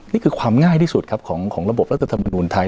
นี่คือความง่ายที่สุดครับของระบบรัฐธรรมนุนไทย